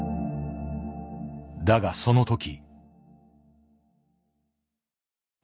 だがその時。